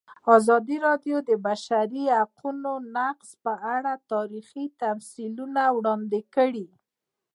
ازادي راډیو د د بشري حقونو نقض په اړه تاریخي تمثیلونه وړاندې کړي.